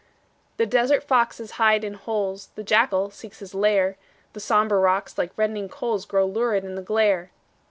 The desert foxes hide in holes, The jackal seeks his lair; The sombre rocks, like reddening coals, Glow lurid in the glare.